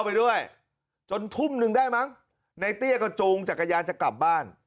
ไปด้วยจนทุ่มหนึ่งได้มั้งในเตี้ยก็จูงจักรยานจะกลับบ้าน